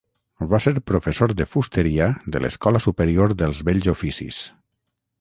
Va ser professor de fusteria de l'Escola Superior dels Bells Oficis.